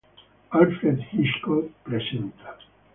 Alfred Hitchcock presenta